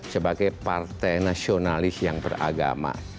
sebagai partai nasionalis yang beragama